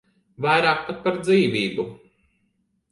Vairāk pat par dzīvību.